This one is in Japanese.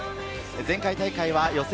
前回大会は予選